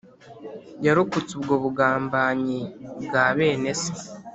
yarokotse ubwo bugambanyi bwa bene se